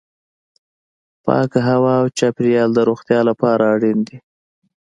پاکه هوا او چاپیریال د روغتیا لپاره اړین دي.